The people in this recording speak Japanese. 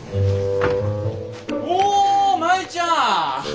お舞ちゃん！